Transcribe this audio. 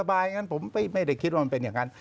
อย่างนั้นผมไม่ได้คิดว่ามันเป็นอย่างนั้น